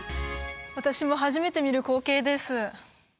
私も初めて見る光景です